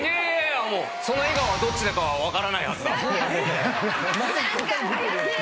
その笑顔はどっちだかは分からないはずだ。